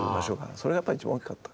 それがやっぱり一番大きかった。